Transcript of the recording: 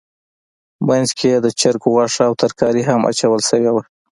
منځ کې یې د چرګ غوښه او ترکاري هم اچول شوې وه.